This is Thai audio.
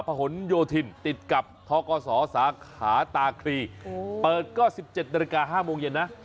ผนโยธินติดกับท้อกสสาขาตาครีเปิดก็๑๗น๕โมงเย็นนะ